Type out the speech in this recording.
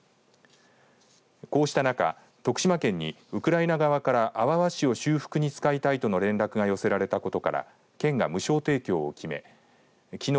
こうした中、徳島県にウクライナ側から阿波和紙を修復に使いたいとの連絡が寄せられたため県が無償提供を決めきのう